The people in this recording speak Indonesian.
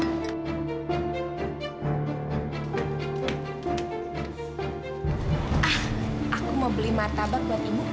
aku mau beli martabak buat ibu